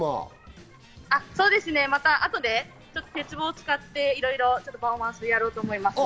そうですね、またあとで鉄棒を使って、いろいろパフォーマンスをやろうと思います。